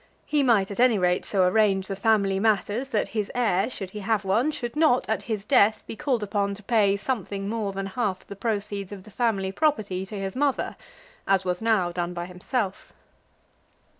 He might, at any rate, so arrange the family matters, that his heir, should he have one, should not at his death be called upon to pay something more than half the proceeds of the family property to his mother, as was now done by himself.